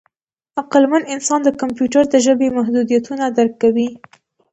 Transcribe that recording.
عقلمن انسان د کمپیوټر د ژبې محدودیتونه درک کوي.